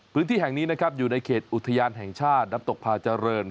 พื้นที่แห่งนี้อยู่ในเขตอุทยานแห่งชาติดับตกพาเจริญ